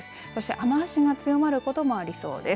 雨足が強まることもありそうです。